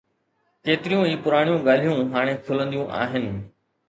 ڪيتريون ئي پراڻيون ڳالهيون هاڻي کلنديون آهن.